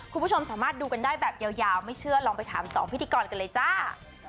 คุณผู้ชมสามารถดูกันได้แบบยาวไม่เชื่อลองไปถามสองพิธีกรกันเลยจ้า